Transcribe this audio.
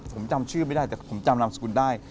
ผมจำชื่อไม่ได้แต่ผมจำนามสกุลได้